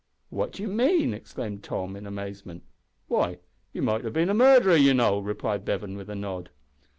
"What do you mean?" exclaimed Tom, in amazement. "Why, you might have bin a murderer, you know," replied Bevan, with a nod.